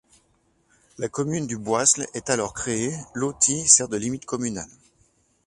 La commune du Boisle est alors créée, l'Authie sert de limite communale.